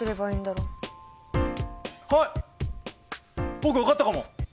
僕分かったかも。